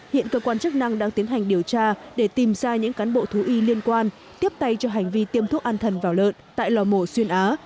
hiện cơ quan chức năng đang tiến hành điều tra để tìm ra những cán bộ thú y liên quan tiếp tay cho hành vi tiêm thuốc an thần vào lợn tại lò mổ xuyên á